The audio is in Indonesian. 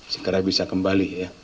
segera bisa kembali ya